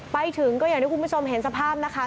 ไปถึงก็อย่างที่คุณผู้ชมเห็นสภาพนะคะ